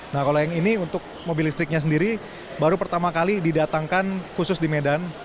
nah kalau yang ini untuk mobil listriknya sendiri baru pertama kali didatangkan khusus di medan